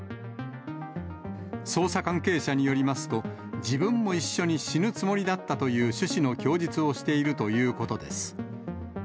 捜査関係者によりますと、自分も一緒に死ぬつもりだったという趣旨の供述をしているということです。